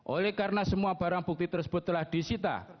oleh karena semua barang bukti tersebut telah disita